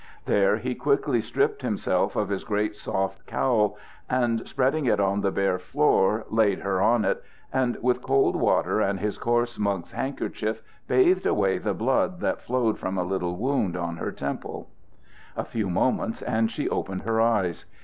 There he quickly stripped himself of his great soft cowl, and, spreading it on the bare floor, laid her on it, and with cold water and his coarse monk's handkerchief bathed away the blood that flowed from a little wound on her temple. A few moments and she opened her eyes.